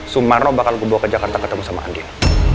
sumarno bakal gue bawa ke jakarta ketemu sama andin